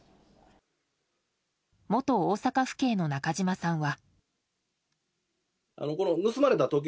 元大阪府警の中島さんは。